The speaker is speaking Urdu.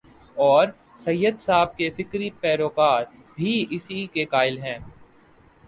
اورسید صاحب کے فکری پیرو کار بھی اسی کے قائل ہیں۔